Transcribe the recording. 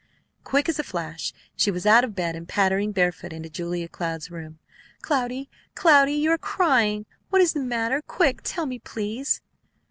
Quick as a flash she was out of bed and pattering barefoot into Julia Cloud's room. "Cloudy! Cloudy! You are crying! What is the matter? Quick! Tell me, please!"